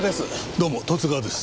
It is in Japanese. どうも十津川です。